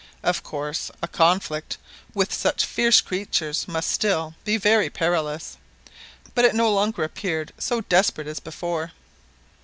Of course a conflict with such fierce creatures must still. be very perilous, but it no longer appeared so desperate as before.